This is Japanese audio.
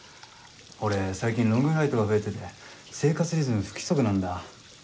俺最近ロングフライトが増えてて生活リズム不規則なんだ。